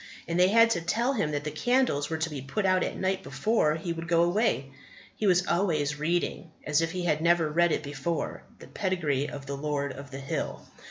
And they had to tell him that the candles were to be put out at night before he would go away. He was always reading, as if he had never read it before, the pedigree of the Lord of the Hill.